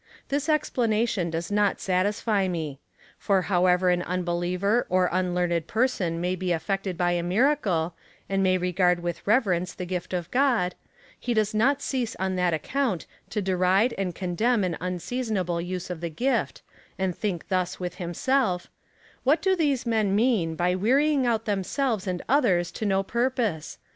This explanation does not satisfy me ; for however an unbeliever or unlearned person may be aifected by a miracle, and may regard with reverence the gift of God, he does not cease on that account to deride and condemn an unseasonable abuse of the gift,^ and think thus with himself: " Wliat do these men mean, by wearying out themselves and others to no purpose